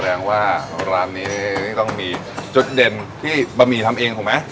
แสดงว่าร้านนี้ต้องมีจุดเด่นที่บะหมี่ทำเองถูกไหม